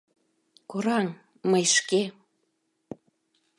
— Кораҥ, мый шке!